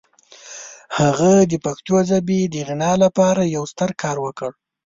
هغه د پښتو ژبې د غنا لپاره یو ستر کار وکړ.